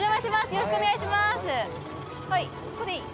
よろしくお願いします。